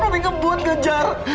tapi ngebut kejar